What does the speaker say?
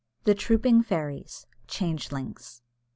THE TROOPING FAIRIES. CHANGELINGS.